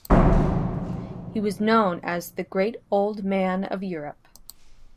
He was known as "The Great Old Man of Europe".